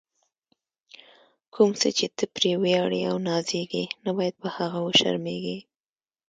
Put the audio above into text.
کوم څه چې ته پرې ویاړې او نازېږې، نه باید په هغه وشرمېږې.